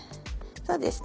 そうですね